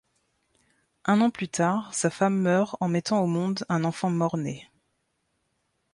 Un an plus tard, sa femme meurt en mettant au monde un enfant mort-né.